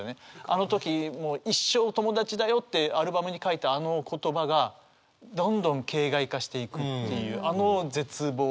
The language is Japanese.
あの時もう「一生友達だよ」ってアルバムに書いたあの言葉がどんどん形骸化していくっていうあの絶望。